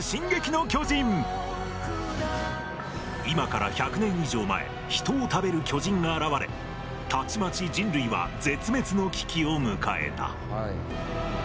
今から１００年以上前人を食べる巨人が現れたちまち人類は絶滅の危機を迎えた。